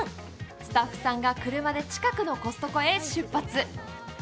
スタッフさんが車で近くのコストコへ出発。